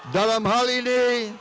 dalam hal ini